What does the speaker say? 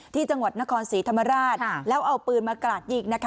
ที่จังหวัดนครศรีธรรมราชแล้วเอาปืนมากราดยิง